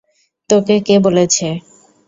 তোকে কে বলেছে?